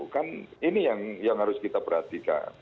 kan ini yang harus kita perhatikan